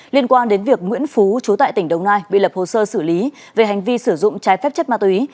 liên quan đến việc nguyễn phú trú tại tỉnh đồng nai bị lập hồ sơ xử lý về hành vi sử dụng trái phép chất ma túy